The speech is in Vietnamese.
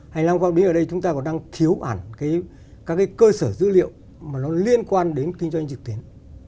hành lang pháp lý ở đây chúng ta còn đang thiếu bản các cái cơ sở dữ liệu mà nó liên quan đến kinh doanh trực tuyến